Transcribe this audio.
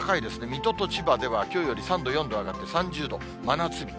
水戸と千葉では、きょうより３度、４度上がって３０度、真夏日。